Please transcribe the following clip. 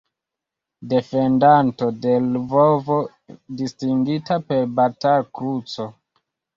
Defendanto de Lvovo, distingita per Batal-Kruco.